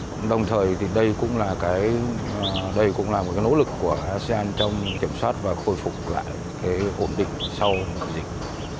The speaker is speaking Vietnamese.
cũng đồng thời thì đây cũng là cái đây cũng là một cái nỗ lực của asean trong kiểm soát và khôi phục lại cái ổn định sau dịch